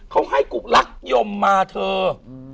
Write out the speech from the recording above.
เค้าให้กุลักษณ์ยมมาเถอะ